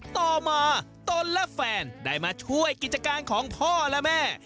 ต่อมาตนและแฟนได้มาช่วยกิจการของพ่อและแม่